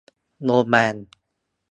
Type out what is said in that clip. โดนแบน